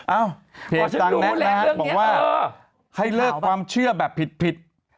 เอ้าเพจตั้งแม่นะครับบอกว่าให้เลิกความเชื่อแบบผิด